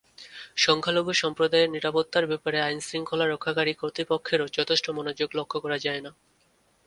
সংখ্যালঘু সম্প্রদায়ের নিরাপত্তার ব্যাপারে আইনশৃঙ্খলা রক্ষাকারী কর্তৃপক্ষেরও যথেষ্ট মনোযোগ লক্ষ করা যায় না।